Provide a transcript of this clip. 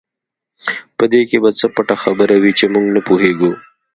په دې کې به څه پټه خبره وي چې موږ نه پوهېږو.